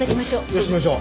そうしましょう。